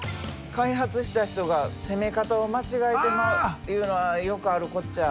開発した人が攻め方を間違えてまういうのはよくあるこっちゃ。